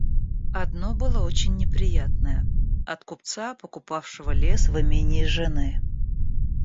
Одно было очень неприятное — от купца, покупавшего лес в имении жены.